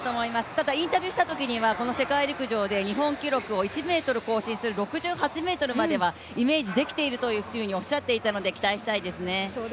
ただインタビューしたときには、この世界陸上で日本記録を１ｍ更新する６８ｍまではイメージできているとおっしゃっていたので期待したいですね。